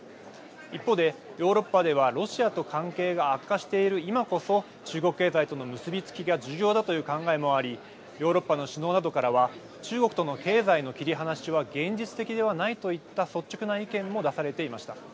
一方でヨーロッパではロシアと関係が悪化している今こそ中国経済との結び付きが重要だという考えもありヨーロッパの首脳などからは中国との経済の切り離しは現実的ではないといった率直な意見も出されていました。